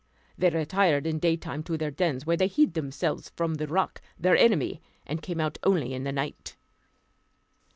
They retired in the day time to their dens, where they hid themselves from the roc, their enemy, and came out only in the night.